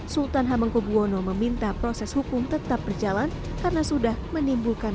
sultan hamengkubwono meminta proses hukum tetap berjalan karena sudah menimbulkan